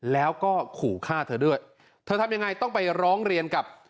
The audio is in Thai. แล้วก็ขู่ฆ่าเธอด้วยเธอทำยังไงต้องไปร้องเรียนกับ